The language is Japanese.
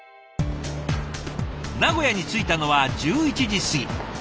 名古屋に着いたのは１１時過ぎ。